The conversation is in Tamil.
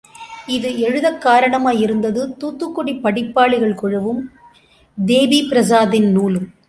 இது எழுதக் காரணமாயிருந்தது தூத்துக்குடி படிப்பாளிகள் குழுவும், தேபி பிரஸாத்தின் நூலும்.